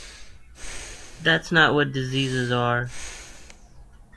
That's not what diseases are.